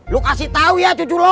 lo kasih tahu ya cucu lo